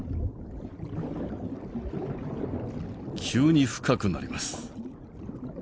急に深くなります。